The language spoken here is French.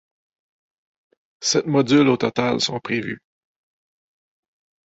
Sept modules au total sont prévus.